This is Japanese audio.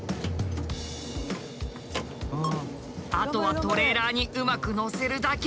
あとはトレーラーにうまく載せるだけ。